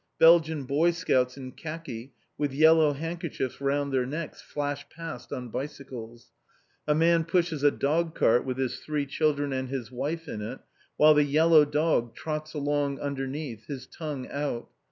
Belgian Boy Scouts in khaki, with yellow handkerchiefs round their necks, flash past on bicycles. A man pushes a dog cart with his three children and his wife in it, while the yellow dog trots along underneath, his tongue out.